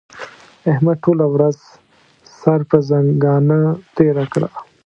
احمد ټوله ورځ سر پر ځنګانه تېره کړه.